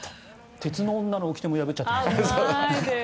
鉄の女のおきても破っちゃったんですね。